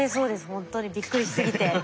ほんとにびっくりしすぎて。